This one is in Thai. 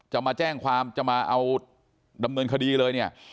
จะมาแจ้งความจะมาเอาดำเนินคดีเลยเนี่ย